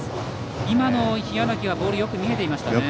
今の日柳、ボールがよく見えていましたね。